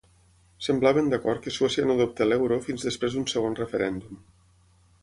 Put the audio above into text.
Semblaven d'acord que Suècia no adopti l'euro fins després d'un segon referèndum.